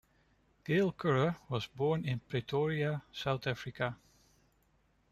Gail Currer was born in Pretoria, South Africa.